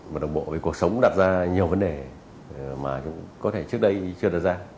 một đồng bộ với cuộc sống đặt ra nhiều vấn đề mà có thể trước đây chưa đặt ra